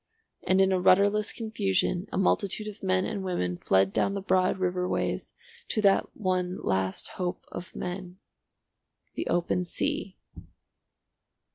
And in a rudderless confusion a multitude of men and women fled down the broad river ways to that one last hope of men—the open sea.